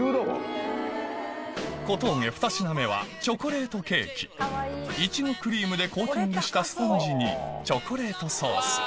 小峠２品目はチョコレートケーキいちごクリームでコーティングしたスポンジにチョコレートソース